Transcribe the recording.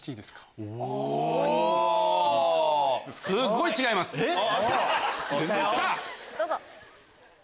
すごいね！